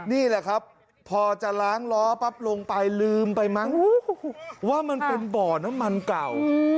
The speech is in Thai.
นี่แหละครับพอจะล้างล้อปั๊บลงไปลืมไปมั้งว่ามันเป็นบ่อน้ำมันเก่า